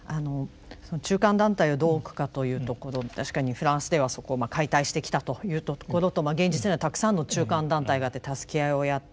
中間団体をどう置くかというところ確かにフランスではそこを解体してきたというところと現実にはたくさんの中間団体があって助け合いをやっている。